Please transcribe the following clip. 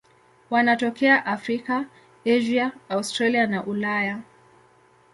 Wanatokea Afrika, Asia, Australia na Ulaya.